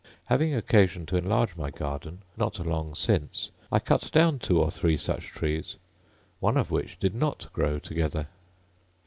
Having occasion to enlarge my garden not long since, I cut down two or three such trees, one of which did not grow together.